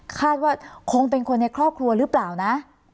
คาดว่าคงเป็นคนในครอบครัวหรือเปล่านะ